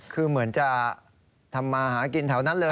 คือเหมือนจะทำมาหากินแถวนั้นเลย